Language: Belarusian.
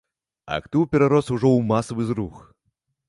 Актыў перарос ужо ў масавы зрух.